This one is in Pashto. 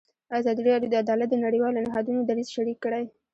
ازادي راډیو د عدالت د نړیوالو نهادونو دریځ شریک کړی.